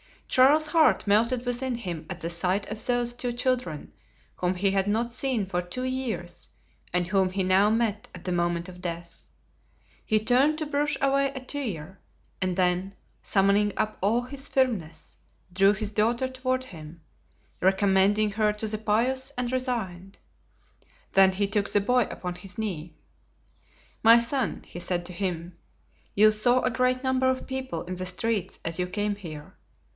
Charles's heart melted within him at the sight of those two children, whom he had not seen for two years and whom he now met at the moment of death. He turned to brush away a tear, and then, summoning up all his firmness, drew his daughter toward him, recommending her to be pious and resigned. Then he took the boy upon his knee. "My son," he said to him, "you saw a great number of people in the streets as you came here.